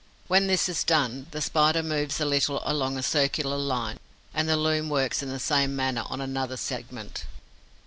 When this is done, the Spider moves a little along a circular line and the loom works in the same manner on another segment.